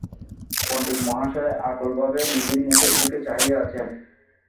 পণ্ডিতমহাশয় আকুল ভাবে নিধির মুখের দিকে চাহিয়া আছেন।